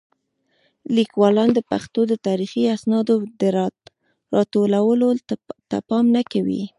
لیکوالان د پښتو د تاریخي اسنادو د راټولولو ته پام نه کوي.